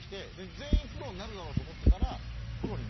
全員プロになるだろうと思ってたら。